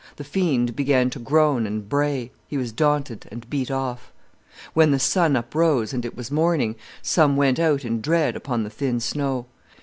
The fiend began to groan and bray—he was daunted and beat off. "When the sun uprose, and it was morning, some went out in dread upon the thin snow.